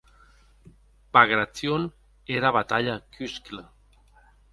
Bagration era batalha qu’uscle.